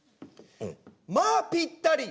「まあぴったり！